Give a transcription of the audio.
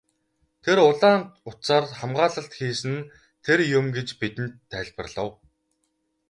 Тэр улаан утсаар хамгаалалт хийсэн нь тэр юм гэж бидэнд тайлбарлав.